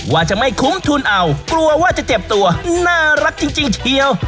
ว่าจะไม่คุ้มทุนเอากลัวว่าจะเจ็บตัวน่ารักจริงเชียว